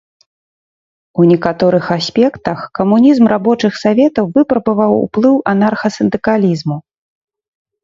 У некаторых аспектах камунізм рабочых саветаў выпрабаваў ўплыў анарха-сындыкалізму.